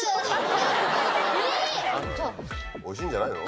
おいしいんじゃないの？